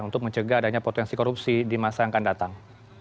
untuk mencegah adanya potensi korupsi di masa yang akan datang